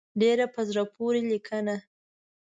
ډېره په زړه پورې لیکنه.